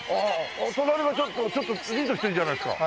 隣がちょっとちょっとリードしてるじゃないですか。